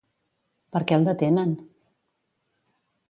Per què el detenen?